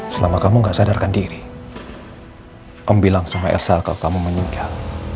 selama kamu gak sadarkan diri kamu bilang sama elsa ke kamu meninggal